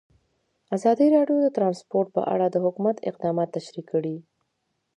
ازادي راډیو د ترانسپورټ په اړه د حکومت اقدامات تشریح کړي.